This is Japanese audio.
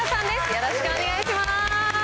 よろしくお願いします。